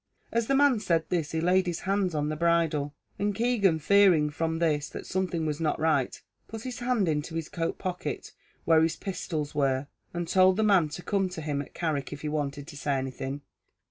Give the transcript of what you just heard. As the man said this he laid his hands on the bridle, and Keegan fearing from this that something was not right, put his hand into his coat pocket, where his pistols were, and told the man to come to him at Carrick, if he wanted to say anything.